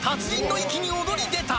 達人の域に躍り出た。